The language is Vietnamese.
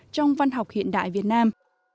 trong văn học hiện đại việt nam